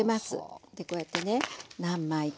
こうやってね何枚か。